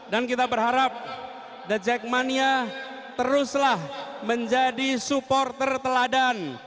dan kita berharap dajak mania teruslah menjadi supporter teladan